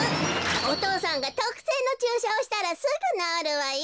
おとうさんがとくせいのちゅうしゃをしたらすぐなおるわよ。